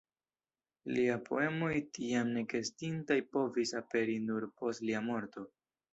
Lia poemoj tiam ekestintaj povis aperi nur post lia morto.